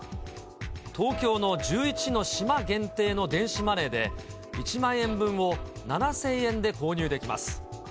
東京の１１の島限定の電子マネーで、１万円分を７０００円で購入できます。